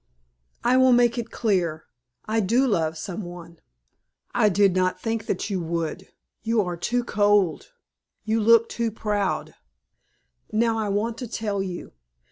"I will make it clear. I do love some one. I did not think that you would, you are too cold, you look too proud. Now I want to tell you.